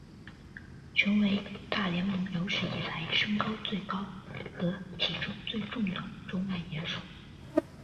成为大联盟有史以来身高最高和体重最重的中外野手。